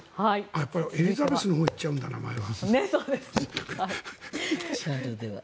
やっぱりエリザベスのほうに行っちゃうんだ、名前は。